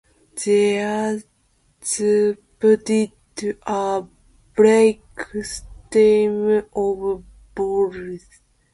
These puddings are baked, steamed or boiled.